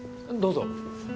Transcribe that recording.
どうぞ。